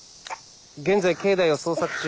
現在境内を捜索中。